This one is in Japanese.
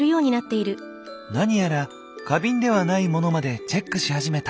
何やら花瓶ではないモノまでチェックし始めた。